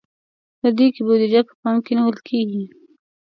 په دې کې بودیجه په پام کې نیول کیږي.